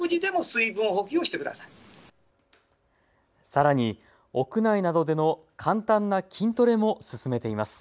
さらに屋内などでの簡単な筋トレも勧めています。